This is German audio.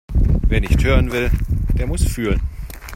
Wer nicht hören will, der muss fühlen.